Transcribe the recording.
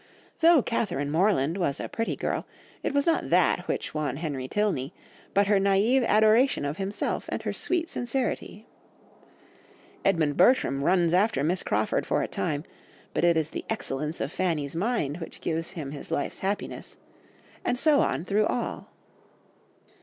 Though Catherine Morland was a pretty girl, it was not that which won Henry Tilney, but her naïve adoration of himself, and her sweet sincerity. Edmund Bertram runs after Miss Crawford for a time, but it is the excellence of Fanny's mind which gives him his life's happiness, and so on through all.